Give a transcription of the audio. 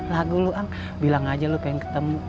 lagu luang bilang aja lu pengen ketemu